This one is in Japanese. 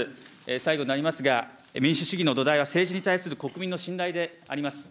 最後になりますが、民主主義の土台は政治に対する国民の信頼であります。